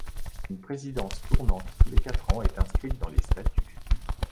Une présidence tournante tous les quatre ans est inscrite dans les statuts.